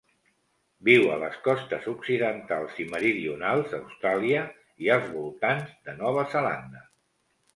Viu a les costes occidentals i meridionals d'Austràlia i als voltants de Nova Zelanda.